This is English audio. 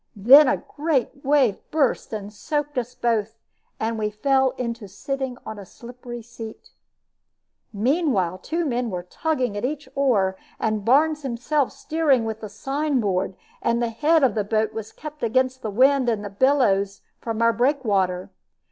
Then a great wave burst and soaked us both, and we fell into sitting on a slippery seat. Meanwhile two men were tugging at each oar, and Barnes himself steering with the sign board; and the head of the boat was kept against the wind and the billows from our breakwater.